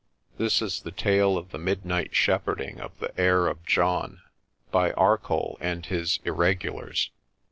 This is the tale of the midnight shepherding of the "heir of John" by Arcoll and his irregulars.